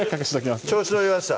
調子乗りました